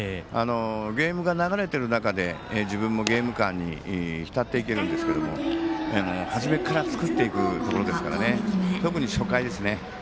ゲームが流れている中で自分もゲーム感にひたっていけるんですけど初めから作っていくところですから特に初回ですね。